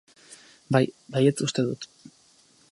Bai, baietz uste dut.